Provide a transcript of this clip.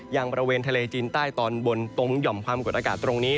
ยังบริเวณทะเลจีนใต้ตอนบนตรงหย่อมความกดอากาศตรงนี้